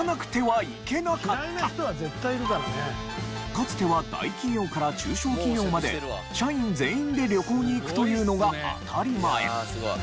かつては大企業から中小企業まで社員全員で旅行に行くというのが当たり前。